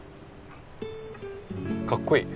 かっこいい。